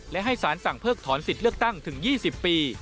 และให้สารสั่งเพิกถอนสิทธิ์เลือกตั้งถึง๒๐ปี